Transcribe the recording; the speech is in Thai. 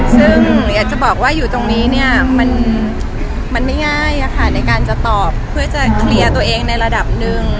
ซึ่งหนูอยากจะบอกว่าอยู่ตรงนี้เนี่ยมันไม่ง่ายในการจะตอบเพื่อจะเคลียร์ตัวเองในระดับหนึ่ง